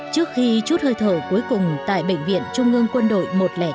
trước khi chút hơi thở cuối cùng tại bệnh viện trung ương quân đội một trăm linh hai